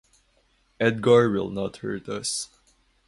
Edgar will not hurt us.